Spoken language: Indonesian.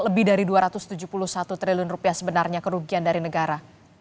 lebih dari dua ratus tujuh puluh satu triliun sebenarnya kerugian dari negara